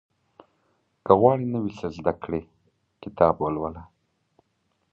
• که غواړې نوی څه زده کړې، کتاب ولوله.